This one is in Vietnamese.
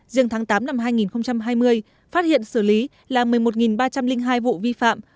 riêng tháng tám năm hai nghìn hai mươi phát hiện xử lý là một mươi một ba trăm linh hai vụ vi phạm